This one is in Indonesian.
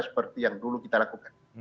seperti yang dulu kita lakukan